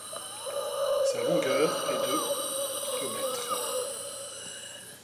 Sa longueur est de kilomètres.